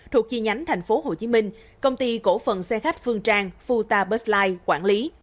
thuộc chi nhánh tp hcm công ty cổ phần xe khách phương trang futa bus light quản lý